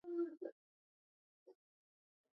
د هېواد مرکز د افغانانو د ګټورتیا برخه ده.